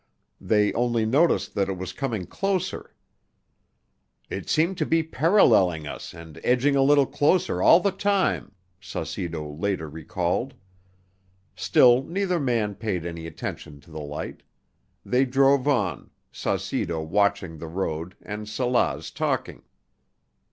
They only noticed that it was coming closer. "It seemed to be paralleling us and edging a little closer all the time," Saucedo later recalled. Still neither man paid any attention to the light. They drove on, Saucedo watching the road and Salaz talking.